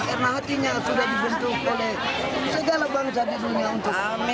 karena hatinya sudah dibentuk oleh segala bangsa di dunia untuk